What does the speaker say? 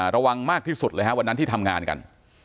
ระวังมากที่สุดเลยฮะวันนั้นที่ทำงานกัน